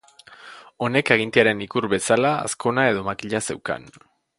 Honek agintearen ikur bezala azkona edo makila zeukan.